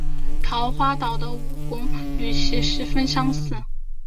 桃花岛的武功与其十分相似。